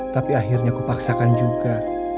tapi akhirnya ku paksakan juga